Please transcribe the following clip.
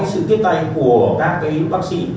thế nhưng mà nếu như có cái sự kết tay của các cái bác sĩ